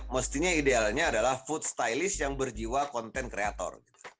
pastinya idealnya adalah food stylist yang berjiwa content creator